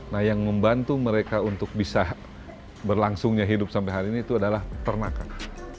nah yang membantu mereka untuk bisa berlangsungnya hidup sampai hari ini itu adalah peternakan